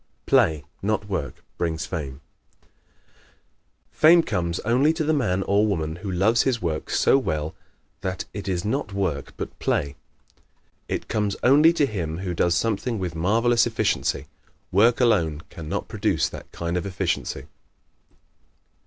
Play, Not Work, Brings Fame ¶ Fame comes only to the man, or woman, who loves his work so well that it is not work but play. It comes only to him who does something with marvellous efficiency. Work alone can not produce that kind of efficiency.